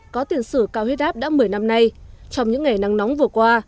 có tiền sử cao huyết áp đã một mươi năm nay trong những ngày nắng nóng vừa qua